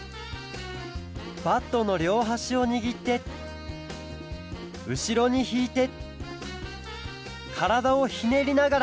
バットのりょうはしをにぎってうしろにひいてからだをひねりながら